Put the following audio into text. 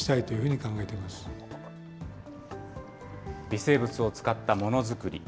微生物を使ったものづくり。